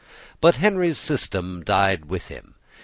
But Henry's system died with him.